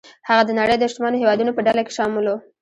هغه د نړۍ د شتمنو هېوادونو په ډله کې شامل و.